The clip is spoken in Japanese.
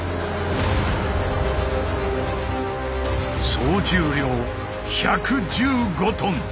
総重量１１５ｔ。